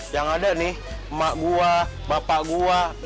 yang ada nih emak gue bapak gue